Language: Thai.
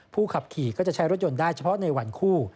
ขับขี่ก็จะใช้รถยนต์ได้เฉพาะในวันคู่